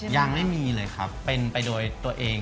ยังไม่มีเลยครับเป็นไปโดยตัวเอง